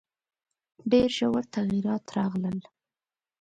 ډېر ژور تغییرات راغلل.